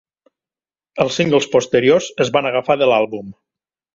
Els singles posteriors es van agafar de l'àlbum.